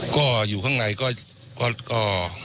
ก็อยู่ข้างในก็